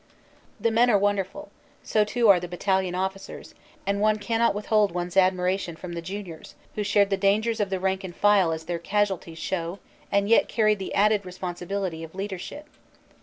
The men are wonderful; so too are the battalion officers, and one cannot withhold one s admiration from the juniors, who shared the dangers of the rank and file as their casualties show and yet carried the added responsibility of leader ship.